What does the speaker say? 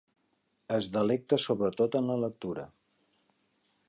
Es delecta sobretot en la lectura.